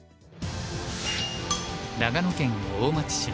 長野県大町市。